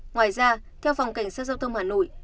ngoài ra theo phòng cảnh sát giao thông hà nội